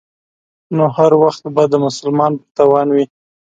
نو هر وخت به د مسلمان په تاوان وي.